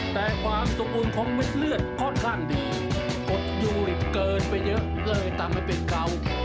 แต่ความสบูรณ์ของเว็ดเลือดค่อนข้างดีกดยูริกเกินไปเยอะเลยตามไม่เป็นเก่า